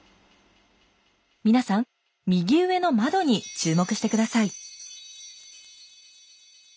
皆さん右上の窓に注目して下さい。